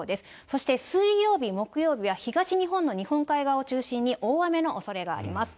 そして水曜日、木曜日は東日本の日本海側を中心に大雨のおそれがあります。